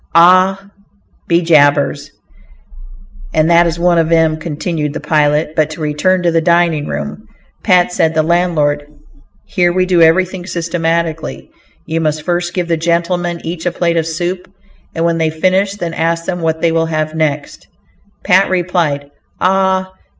"Ah! be jabers, and that is one of 'em," continued the pilot. But to return to the dining room. "Pat," said the landlord, "here we do everything systematically. You must first give the gentlemen each a plate of soup, and when they finish that, ask them what they will have next." Pat replied, "Ah!